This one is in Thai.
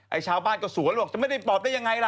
ไอ้ชาวบ้านก็สวรรค์จะไม่ได้เป็นปอบได้ยังไงล่ะ